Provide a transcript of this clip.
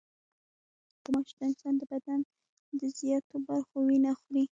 غوماشې د انسان د بدن د زیاتو برخو وینه خوري.